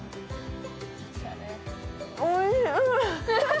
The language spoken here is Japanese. おいしい。